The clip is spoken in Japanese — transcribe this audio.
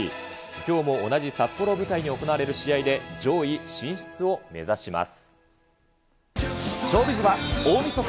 きょうも同じ札幌を舞台に行われる試合で、上位進出を目指します。